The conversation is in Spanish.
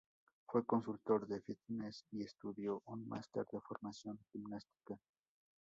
Fue consultor de fitness y estudió un máster de formación gimnástica.